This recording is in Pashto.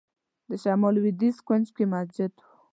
د شمال لوېدیځ کونج کې مسجد و.